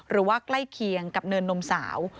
ใกล้เคียงกับเนินนมสาว